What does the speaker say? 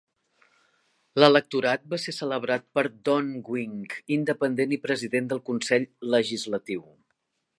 L'electorat va ser celebrat per Don Wing, independent i president del consell legislatiu.